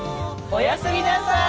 おやすみなさい。